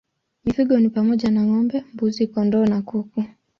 Mifugo ni pamoja na ng'ombe, mbuzi, kondoo na kuku.